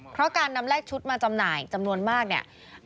เพราะการนำเลขชุดมาจำหน่ายจำนวนมากเนี่ย